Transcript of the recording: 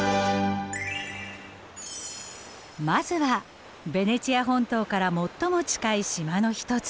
まずはベネチア本島から最も近い島の一つ